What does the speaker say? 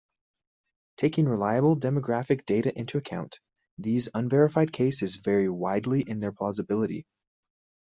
Taking reliable demographic data into account, these unverified cases vary widely in their plausibility.